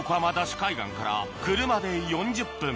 海岸から車で４０分